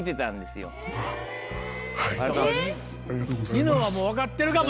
ニノはもう分かってるかも。